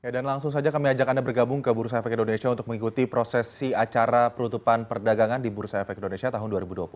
dan langsung saja kami ajak anda bergabung ke bursa efek indonesia untuk mengikuti prosesi acara perutupan perdagangan di bursa efek indonesia tahun dua ribu dua puluh